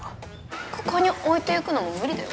ここに置いていくのも無理だよ。